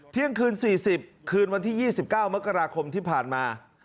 เที่ยงคืนสี่สิบคืนวันที่ยี่สิบเก้าเมื่อกราคมที่ผ่านมา